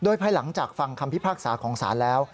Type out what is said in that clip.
ภายหลังจากฟังคำพิพากษาของศาลแล้ว